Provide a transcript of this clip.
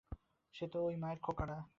সে তো ওই মায়ের খোকারা।